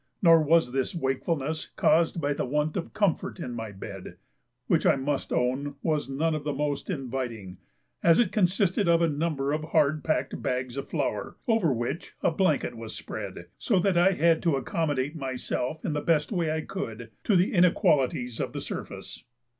Nor was this wakefulness caused by the want of comfort in my bed, which I must own was none of the most inviting, as it consisted of a number of hard packed bags of flour, over which a blanket was spread, so that I had to accommodate myself in the best way I could to the inequalities of the surface.